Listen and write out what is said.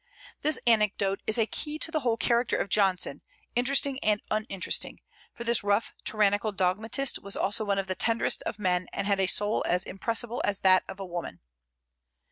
This anecdote is a key to the whole character of Johnson, interesting and uninteresting; for this rough, tyrannical dogmatist was also one of the tenderest of men, and had a soul as impressible as that of a woman.